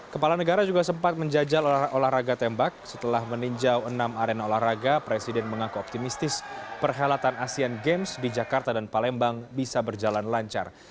kepala negara juga sempat menjajal olahraga tembak setelah meninjau enam arena olahraga presiden mengaku optimistis perhelatan asean games di jakarta dan palembang bisa berjalan lancar